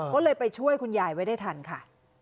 ก็เลยไปช่วยคุณยายไว้ได้ทันค่ะ